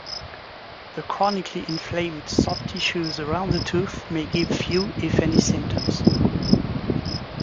The chronically inflamed soft tissues around the tooth may give few if any symptoms.